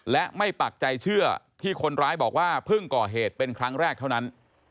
และไม่ปักใจเชื่อที่คนร้ายบอกว่าเพิ่งก่อเหตุเป็นครั้งแรกเท่านั้น